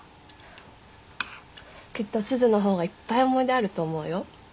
きっとすずの方がいっぱい思い出あると思うよ。